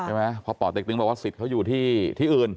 ใช่ไหมเพราะป่อเต็กตึงบอกว่าสิทธิ์เขาอยู่ที่อื่น